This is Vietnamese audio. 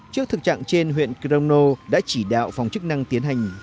trước thực trạng trên huyện crono đã chỉ đạo phòng chức năng tiến hành